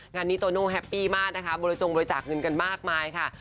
งานนี้โตโน่แฮปปี้มากนะคะบริจงบริจาคเงินกันมากมายค่ะ